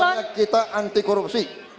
pokoknya kita anti korupsi